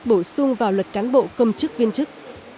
bổ sung vào luật cán bộ công chức viên chức